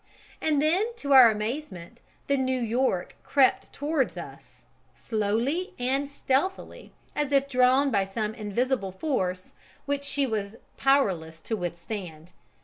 And then, to our amazement the New York crept towards us, slowly and stealthily, as if drawn by some invisible force which she was powerless to withstand.